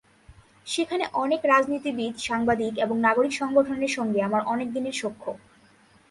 সেখানে অনেক রাজনীতিবিদ, সাংবাদিক এবং নাগরিক সংগঠনের সঙ্গে আমার অনেক দিনের সখ্য।